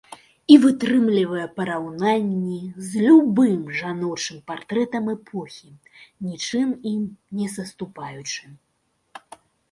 І вытрымлівае параўнанні з любым жаночым партрэтам эпохі, нічым ім не саступаючы.